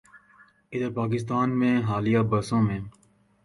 ادھر پاکستان میں حالیہ برسوں میں